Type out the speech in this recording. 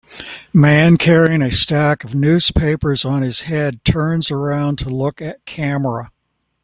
Man carrying a stack of newspapers on his head turns around to look at camera